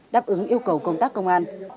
đáp ứng yêu cầu công tác công an